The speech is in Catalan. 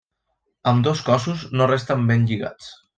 Ambdós cossos no resten ben lligats.